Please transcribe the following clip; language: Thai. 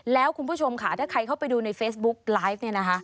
แล้วคุณผู้ชมค่ะถ้าใครเข้าไปดูในเฟซบุ๊กไลฟ์เนี่ยนะคะ